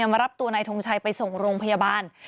มารับตัวนายทงชัยไปส่งโรงพยาบาล